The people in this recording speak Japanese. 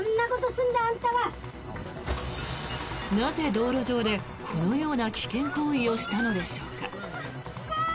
なぜ道路上でこのような危険行為をしたのでしょうか。